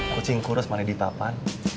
kucing kurus malah dipapan